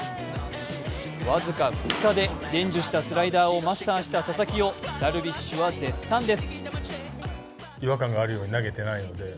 僅か２日で伝授したスライダーをマスターした佐々木をダルビッシュは絶賛です。